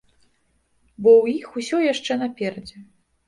Бо ў іх усё яшчэ наперадзе.